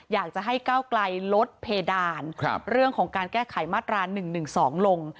อยากจะให้ก้าวไกลลดเพดานเรื่องของการแก้ไขมาตรา๑๑๒ลง